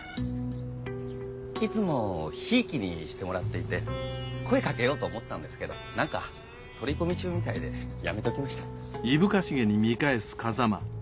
いつもひいきにしてもらっていて声かけようと思ったんですけどなんか取り込み中みたいでやめときました。